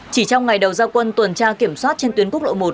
chỉ trong ngày đầu giao quân tuần tra kiểm soát trên tuyến quốc lộ một